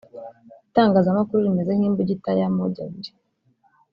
Itangazamakuru rimeze nk’imbugita y’amugi abiri